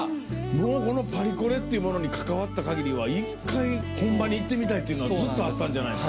もうこのパリコレっていうものに関わった限りは一回本場に行ってみたいっていうのはずっとあったんじゃないの？